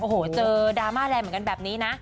โอ้โหเจอดราม่าแรงเหมือนกันแบบนี้นะ